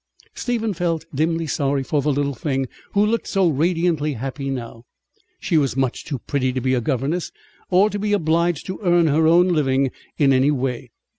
Stephen felt dimly sorry for the little thing, who looked so radiantly happy now. She was much too pretty to be a governess, or to be obliged to earn her own living in any way.